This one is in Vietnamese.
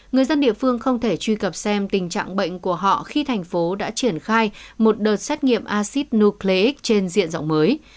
người dân địa phương không thể truy cập xem tình trạng bệnh của họ khi thành phố đã triển khai một đợt xét nghiệm acid nucleic trên diện rộng mới